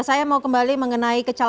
baik saya mau kembali mengenai kecalon